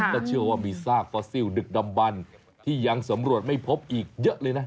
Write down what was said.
ก็เชื่อว่ามีซากฟอสซิลดึกดำบันที่ยังสำรวจไม่พบอีกเยอะเลยนะ